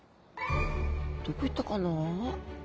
どこ行ったかな？